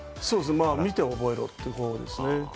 見て覚えろっていう方ですね。